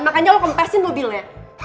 makanya lo kempesin mobilnya